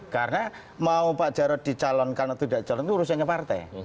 karena mau pak jarot dicalon kalau tidak dicalon itu urusannya partai